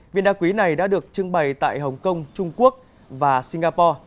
viên đa quý này đã được trưng bày tại hồng kông trung quốc và singapore